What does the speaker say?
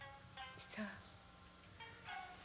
そう。